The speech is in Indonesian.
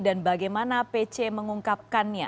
dan bagaimana pc mengungkapkannya